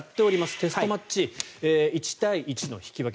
テストマッチ１対１の引き分け。